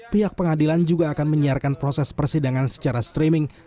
pihak pengadilan juga akan menyiarkan proses persidangan secara streaming